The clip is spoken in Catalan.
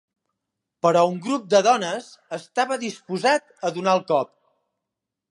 Però un grup de dones estava disposat a donar el cop.